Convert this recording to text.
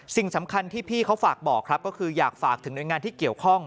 สิ่งสำคัญที่พี่เขาฝากบอกครับก็คืออยากฝากถึงหน่วยงานที่เกี่ยวข้อง